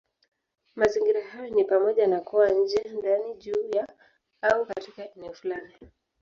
Mazingira hayo ni pamoja na kuwa nje, ndani, juu ya, au katika eneo fulani.